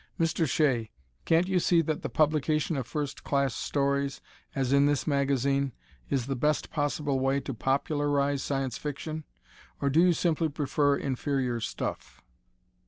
Mr. Shea, can't you see that the publication of first class stories, as in this magazine, is the best possible way to popularize Science Fiction? Or do you simply prefer inferior stuff?